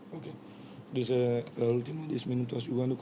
sepuluh menit terakhir main dengan tiga back